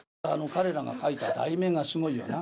彼らが書いた題名がすごいよな。